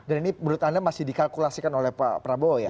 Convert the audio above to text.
dan ini menurut anda masih dikalkulasikan oleh pak prabowo ya